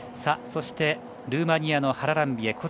そして、ルーマニアのハラランビエ。